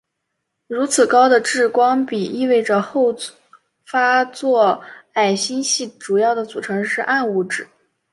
如此高的质光比意味着后发座矮星系主要的组成是暗物质。